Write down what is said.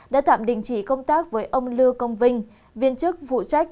đã tạm đình chỉ công tác với ông lưu công vinh viên chức vụ trách